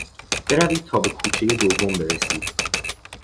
بروید تا به کوچهی دوم برسید.